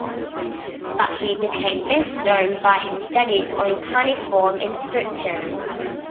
But he became best known by his studies on cuneiform inscriptions.